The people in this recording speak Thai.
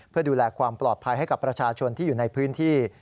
เพื่อดูแลความปลอดภัยให้กับประชาชนที่อยู่ในพื้นที่